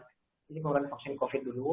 jadi pemberian vaksin covid sembilan belas dulu